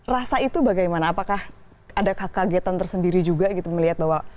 rasa itu bagaimana apakah ada kagetan tersendiri juga gitu melihat bahwa